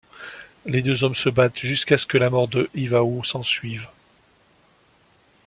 Les deux hommes se battent, jusqu'à ce que la mort de Iwao s'ensuive.